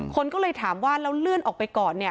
คนก็เลยถามว่าแล้วเลื่อนออกไปก่อนเนี่ย